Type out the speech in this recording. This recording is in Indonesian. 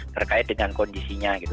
terkait dengan kondisinya gitu